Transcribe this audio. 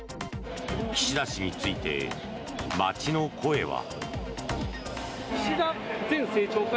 岸田氏について街の声は。